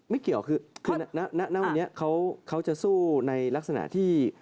ไม่เกี่ยวคือณวันนี้เขาจะสู้ในลักษณะที่